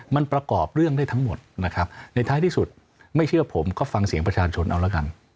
มันประกอบเรื่องได้ทั้งหมดนะครับในท้ายที่สุดไม่เชื่อผมก็ฟังเสียงประชาชนเอาละกัน